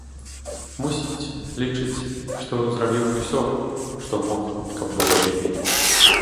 Мусіць, лічыць, што зрабіў усё, што мог, каб было лепей.